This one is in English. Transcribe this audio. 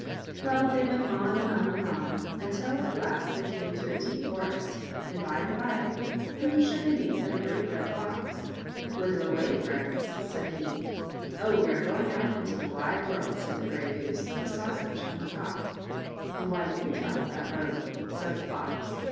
Well, they went on and on and on, until, at last, they came to a deep forest, and, by and by, whom should they meet but a great red fox. " Whither away, friends ?" said he. " Oh, we are going out into the wide world," said the Grey Goose, the Sausage, and the Cock. " And why do you travel that road ?" said the Fox.